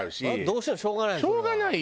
どうしてもしょうがない。